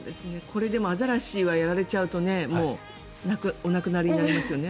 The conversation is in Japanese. これ、でもアザラシはやられちゃうともうお亡くなりになりますよね。